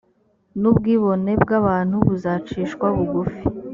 nubwibone bw abantu buzacishwa bugufi